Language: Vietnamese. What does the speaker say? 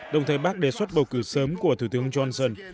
đồng thời bác đề xuất bầu cử sớm của thủ tướng johnson